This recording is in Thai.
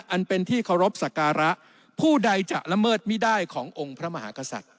อันเป็นที่เคารพสักการะผู้ใดจะละเมิดไม่ได้ขององค์พระมหากษัตริย์